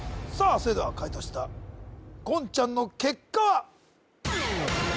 それでは解答した言ちゃんの結果は？